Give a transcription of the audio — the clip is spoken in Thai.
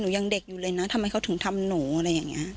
ยังเด็กอยู่เลยนะทำไมเขาถึงทำหนูอะไรอย่างนี้